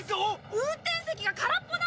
運転席が空っぽなんだ！